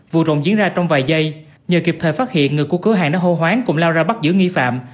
vụ trộm diễn ra trong vài giây nhờ kịp thời phát hiện người của cửa hàng đã hô hoáng cùng lao ra bắt giữ nghi phạm